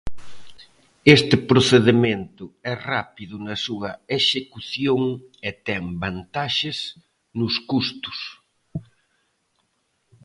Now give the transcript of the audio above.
Este procedemento é rápido na súa execución e ten vantaxes nos custos.